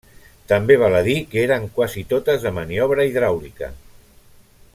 També val a dir que eren quasi totes de maniobra hidràulica.